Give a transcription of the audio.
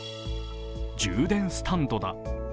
充電スタンドだ。